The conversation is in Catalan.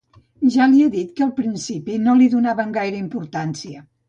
Ja li he dit que al principi no li donàvem gaire importància.